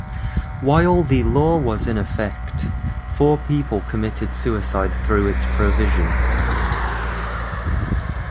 While the law was in effect, four people committed suicide through its provisions.